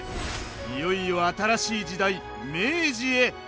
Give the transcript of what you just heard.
いよいよ新しい時代明治へ！